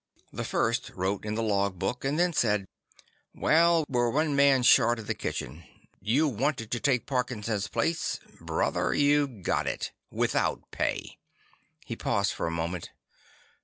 The First wrote in the log book, and then said: "Well, we're one man short in the kitchen. You wanted to take Parkinson's place; brother, you've got it—without pay." He paused for a moment.